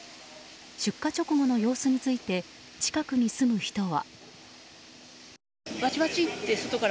出火直後の様子について近くに住む人は。